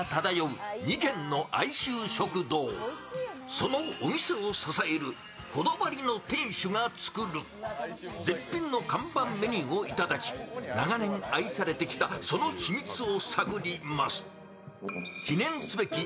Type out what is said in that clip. そのお店を支えるこだわりの店主が作る絶品の看板メニューをいただき長年愛されてきたその秘密を探ります。